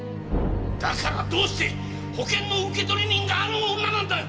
だからどうして保険の受取人があの女なんだよ！？